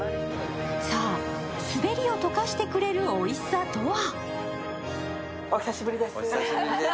さあ、スベりを溶かしてくれるおいしさとは？